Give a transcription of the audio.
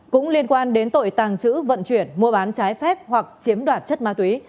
cũng liên quan đến tội tàng trữ vận chuyển mua bán trái phép hoặc chiếm đoạt chất ma túy